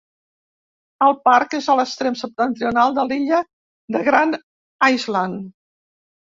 El parc és a l'extrem septentrional de l'illa de Grand Island.